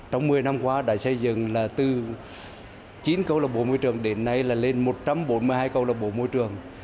trong một mươi năm qua đã xây dựng là từ chín câu lạc bộ môi trường đến nay là lên một trăm bốn mươi hai câu lạc bộ môi trường